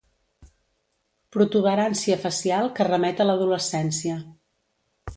Protuberància facial que remet a l'adolescència.